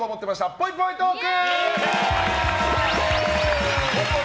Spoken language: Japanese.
ぽいぽいトーク！